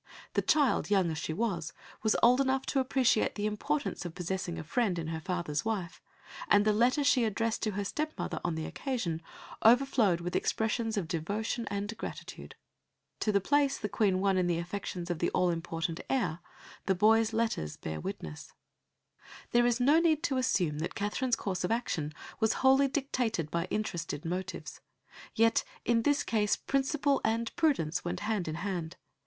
The child, young as she was, was old enough to appreciate the importance of possessing a friend in her father's wife, and the letter she addressed to her step mother on the occasion overflowed with expressions of devotion and gratitude. To the place the Queen won in the affections of the all important heir, the boy's letters bear witness. [Illustration: From an engraving by F. Bartolozzi after a picture by Holbein. HENRY VIII. AND HIS THREE CHILDREN.] There is no need to assume that Katherine's course of action was wholly dictated by interested motives. Yet in this case principle and prudence went hand in hand.